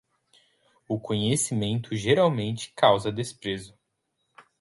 O conhecimento geralmente causa desprezo.